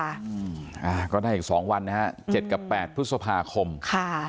อ่าก็ได้อีกสองวันนะฮะเจ็ดกับแปดพฤษภาคมค่ะ